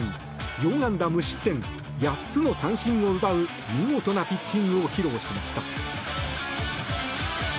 ４安打無失点、８つの三振を奪う見事なピッチングを披露しました。